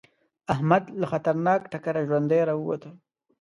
احمد له خطرناک ټکره ژوندی راووته.